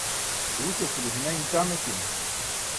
duusasulo hinain ṭam etin